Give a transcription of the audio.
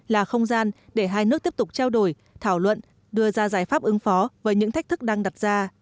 là không gian để hai nước tiếp tục trao đổi thảo luận đưa ra giải pháp ứng phó với những thách thức đang đặt ra